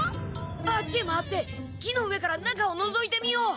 あっちへ回って木の上から中をのぞいてみよう！